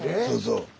そうそう。